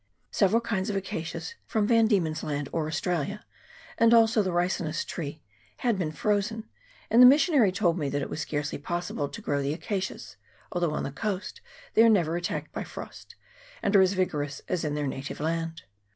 Several kinds of acacias, from Van Diemen's Land or Australia, and also the ricinus tree, had been frozen ; and the mis sionary told me that it was scarcely possible to grow the acacias, although on the coast they are never attacked by frost, and are as vigorous as in their native land.